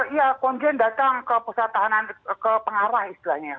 iya konjen datang ke pengarah istilahnya